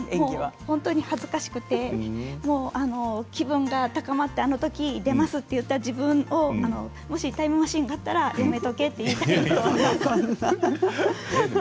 本当に恥ずかしくて気分が高まってあのとき出ますと言った自分にタイムマシンが、もしあったらやめておけと言いたい。